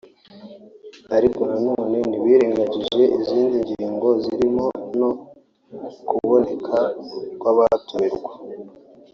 ariko na none ntibirengagize izindi ngingo zirimo no kuboneka kw’abatumirwa